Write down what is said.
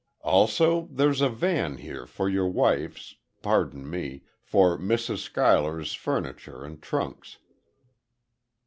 "Also there's a van here for your wife's pardon me, for Mrs. Schuyler's furniture and trunks."